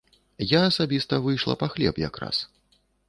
Я асабіста выйшла па хлеб якраз.